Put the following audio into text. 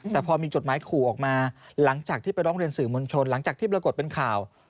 แต่พอมีจดหมายขู่ออกมาหลังจากที่ไปร้องเรียนสื่อมวลชนหลังจากที่ปรากฏเป็นข่าว